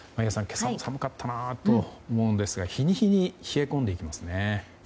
今朝も寒かったなと思うんですが日に日に冷え込んでいきますね。